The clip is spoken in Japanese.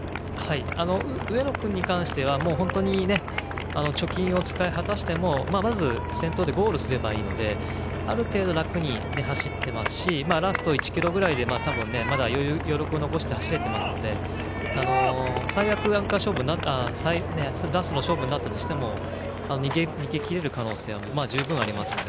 上野君に関しては貯金を使い果たしてもまず先頭でゴールすればいいのである程度、楽に走っていますしラスト１ｋｍぐらいで多分まだ余力を残して走れていますので、最悪ラストの勝負になったとしても逃げ切れる可能性は十分ありますよね。